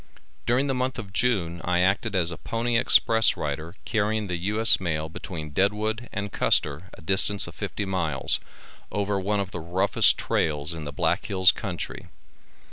During the month of June I acted as a pony express rider carrying the U.S. mail between Deadwood and Custer, a distance of fifty miles, over one of the roughest trails in the Black Hills country.